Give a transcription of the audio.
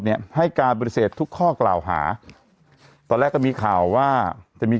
เนี่ยให้การปฏิเสธทุกข้อกล่าวหาตอนแรกก็มีข่าวว่าจะมี